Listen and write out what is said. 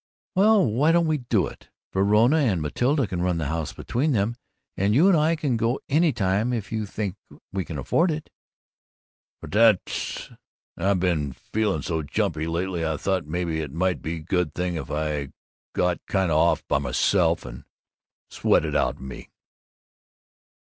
"Well, why don't we do it? Verona and Matilda can run the house between them, and you and I can go any time, if you think we can afford it." "But that's I've been feeling so jumpy lately, I thought maybe it might be a good thing if I kind of got off by myself and sweat it out of me."